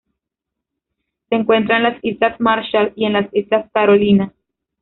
Se encuentra en las Islas Marshall y en las Islas Carolinas.